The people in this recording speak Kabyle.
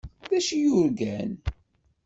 D acu i yurgan?